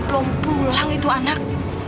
belom pulang itu anak